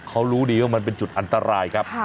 เขารู้ดีว่ามันเป็นจุดอันตรายครับ